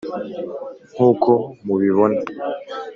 nkuko mubibona.